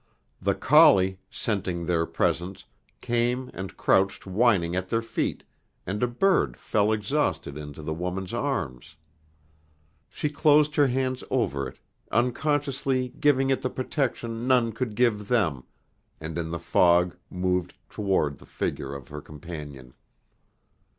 The collie, scenting their presence, came and crouched whining at their feet, and a bird fell exhausted into the woman's arms. She closed her hands over it, unconsciously giving it the protection none could give them, and in the fog moved toward the figure of her companion.